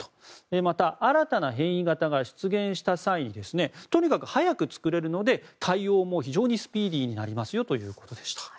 また、新たな変異型が出現した時にとにかく早く作れるので対応も非常にスピーディーになりますよということでした。